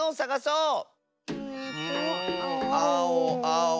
んあおあお。